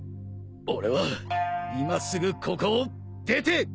俺は今すぐここを出て。